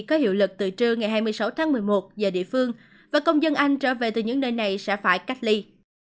có hiệu lực từ trưa ngày hai mươi sáu tháng một mươi một giờ địa phương và công dân anh trở về từ những nơi này sẽ phải cách ly